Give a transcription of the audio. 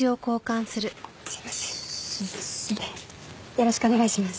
よろしくお願いします。